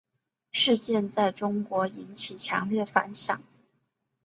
事件在中国引起强烈反响。